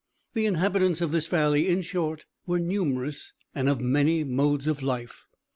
The inhabitants of this valley, in short, were numerous, and of many modes of life.